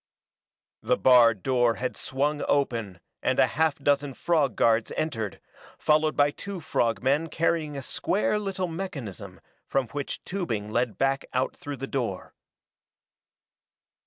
The barred door had swung open and a half dozen frog guards entered, followed by two frog men carrying a square little mechanism from which tubing led back out through the door.